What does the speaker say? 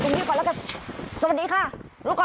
ใจเย็นดูก่อนละกัน